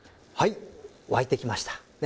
はい沸いてきました。